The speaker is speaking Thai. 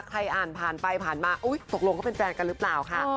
ใครอ่านผ่านไปผ่านมาตกลงเขาเป็นแฟนกันหรือเปล่าค่ะ